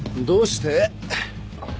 どうして？